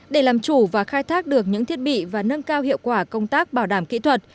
để làm chủ và khai thác được những thiết bị và nâng cao hiệu quả công tác bảo đảm kỹ thuật